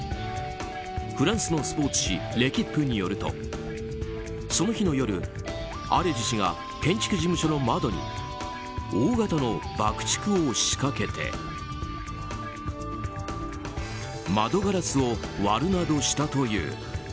フランスのスポーツ紙レキップによるとその日の夜、アレジ氏が建築事務所の窓に大型の爆竹を仕掛けて窓ガラスを割るなどしたという。